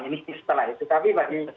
ini setelah itu tapi bagi